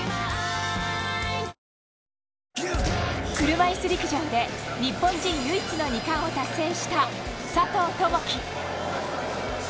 車いす陸上で日本人唯一の２冠を達成した佐藤友祈。